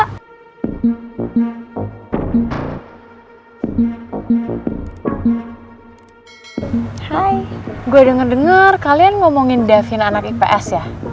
hai gue denger denger kalian ngomongin davin anak ips ya